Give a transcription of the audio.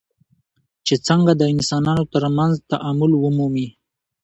چې څنګه د انسانانو ترمنځ تعامل ومومي.